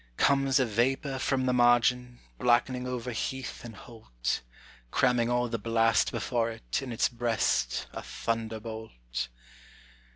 Comes a vapor from the margin, blackening over heath and holt, Cramming all the blast before it, in its breast a thunderbolt.